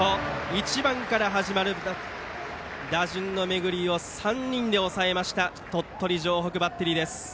１番から始まる打順の巡りを３人で抑えました鳥取城北バッテリー。